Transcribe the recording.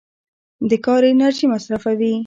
د کار انرژي مصرفوي.